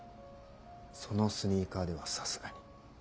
そのスニーカーではさすがに。